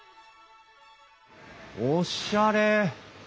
おっしゃれ。